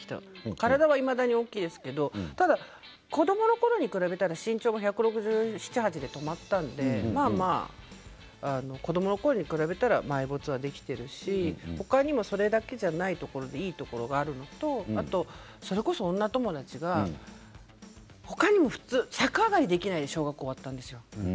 体は、いまだに大きいですけど子どものころに比べたら身長は１６７１６８で止まったので子どものころに比べたら埋没できているし他にもそれだけじゃないところでいいところがあるのとそれこそ女友達が他にも逆上がりできない小学校だったんですよ。